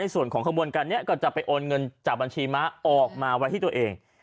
ส่วนของข้อมูลการก็จะไปโอนเงินจากบัญชีม้าออกมาไว้ตัวเอง